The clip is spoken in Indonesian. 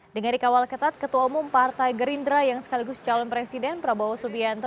dengan dikawal ketat ketua umum partai gerindra yang sekaligus calon presiden prabowo subianto